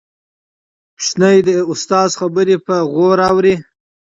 ماشوم د استاد خبرې په دقت اوري